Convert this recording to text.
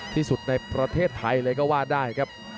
ที่สุดในประเทศไทยเลยก็ว่าได้ครับ